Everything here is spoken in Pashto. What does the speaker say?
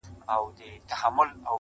چي وخت د ښکار سي تازي غولو ونيسي